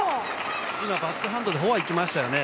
今、バックハンドでフォアいきましたよね。